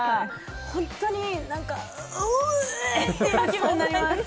本当にうえー！っていう気分になります。